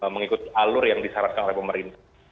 mengikuti alur yang disyaratkan oleh pemerintah